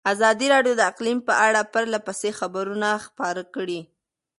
ازادي راډیو د اقلیم په اړه پرله پسې خبرونه خپاره کړي.